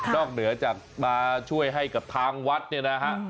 เหนือจากมาช่วยให้กับทางวัดเนี่ยนะฮะ